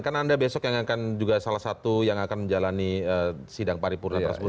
kan anda besok yang akan juga salah satu yang akan menjalani sidang paripurna tersebut